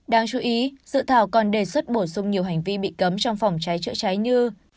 đáng chú ý dự thảo còn đề xuất bổ sung nhiều hành vi bị cấm trong phòng cháy chữa cháy như